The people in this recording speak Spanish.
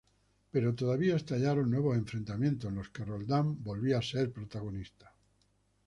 Pero todavía estallaron nuevos enfrentamientos en los que Roldán volvía a ser protagonista.